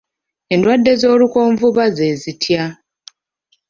Endwadde ez'olukonvuba ze zitya?